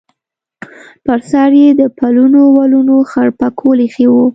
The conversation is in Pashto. پر سر یې د پلنو ولونو خړ پکول ایښی و.